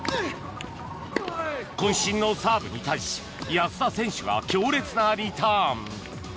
こん身のサーブに対し安田選手が強烈なリターン。